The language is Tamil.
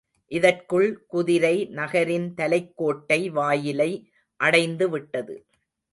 இதற்குள் குதிரை நகரின் தலைக்கோட்டை வாயிலை அடைந்துவிட்டது.